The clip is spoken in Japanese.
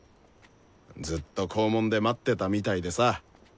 ずっと校門で待ってたみたいでさ。